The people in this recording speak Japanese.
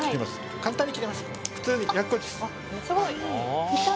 簡単に切れます。